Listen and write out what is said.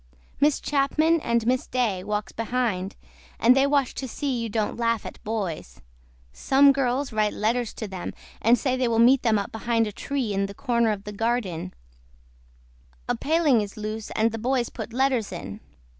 MISS CHAPMAN AND MISS DAY WALKS BEHIND AND THEY WATCH TO SEE YOU DON'T LAUGH AT BOYS. SOME GIRLS WRITE LETTERS TO THEM AND SAY THEY WILL MEET THEM UP BEHIND A TREE IN THE CORNER OF THE GARDEN A PALING IS LOSE AND THE BOYS PUT LETTERS IN.